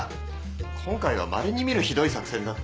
今回はまれにみるひどい作戦だった。